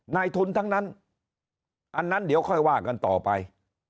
นายทุนทั้งนั้นอันนั้นเดี๋ยวค่อยว่ากันต่อไป